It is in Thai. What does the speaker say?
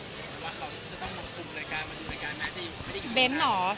หรือว่าเขาจะต้องคุมรายการมาดูรายการหน้าที่ไม่ได้เกี่ยวกับเขาเบนเหรอ